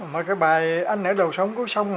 mà cái bài anh ở đầu sông có xong